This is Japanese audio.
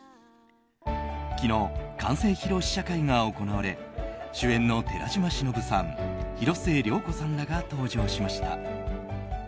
昨日、完成披露試写会が行われ主演の寺島しのぶさん広末涼子さんらが登場しました。